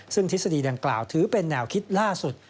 ซึ่งทฤษฎีดังกล่าวถือเป็นแนวคิดล่าสุด